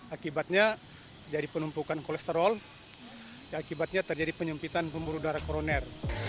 akibatnya terjadi penumpukan kolesterol akibatnya terjadi penyempitan pembuluh darah koroner